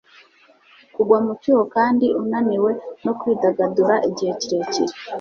kugwa mu cyuho kandi unaniwe no kwidagadura igihe kirekire